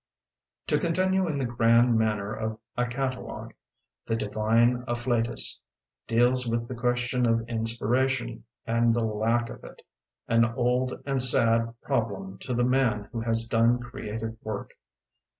To continue in the grand manner of a catalogue: "The Divine Afflatus" deals with the question of inspiration and the lack of it, an old and sad prob lem to the man who has done creative work.